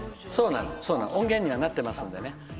そう、音源にはなってますのでね。